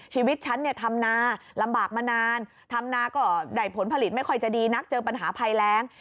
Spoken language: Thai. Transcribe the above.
ชีวิตฉันเนี่ยทำนาลำบากมานานทำนาก็ได้ผลผลิตไม่ค่อยจะดีนักเจอปัญหาภัยแรง